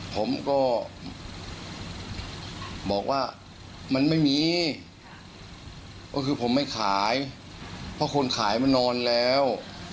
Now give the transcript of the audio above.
ผมก็บอกว่ามันไม่มีก็คือผมไม่ขายเพราะคนขายมานานแล้ว